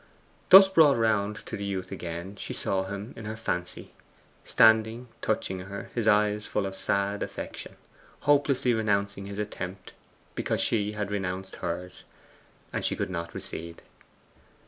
Thus brought round to the youth again, she saw him in her fancy, standing, touching her, his eyes full of sad affection, hopelessly renouncing his attempt because she had renounced hers; and she could not recede.